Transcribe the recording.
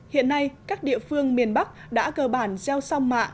hiện nay các địa phương miền bắc đã cơ bản gieo song mạ